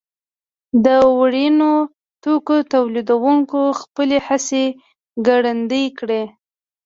د وړینو توکو تولیدوونکو خپلې هڅې ګړندۍ کړې.